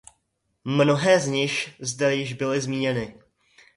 Mnohé z nich zde již byly zmíněny.